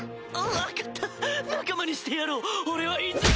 分かった仲間にしてやろう俺はいずれ。